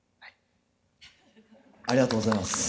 ありがとうございます。